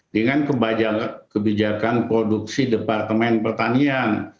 dengan kebijakan produksi departemen pertanian